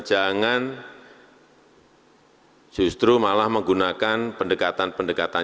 jangan justru malah menggunakan pendekatan pendekatan